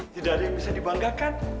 tidak ada yang bisa dibanggakan